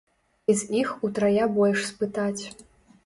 І з іх утрая больш спытаць.